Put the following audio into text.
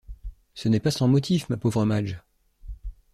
Ce n’est pas sans motif, ma pauvre Madge!